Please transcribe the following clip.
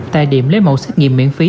tại điểm lấy mẫu xét nghiệm miễn phí